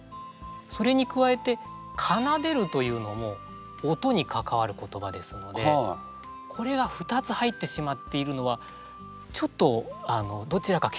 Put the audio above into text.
それに加えて「奏でる」というのも音に関わる言葉ですのでこれが２つ入ってしまっているのはちょっとどちらかけずりたくなりますね。